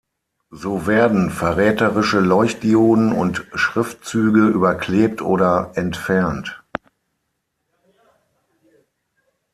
So werden verräterische Leuchtdioden und Schriftzüge überklebt oder entfernt.